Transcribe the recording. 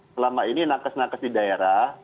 selama ini nangkas nangkas di daerah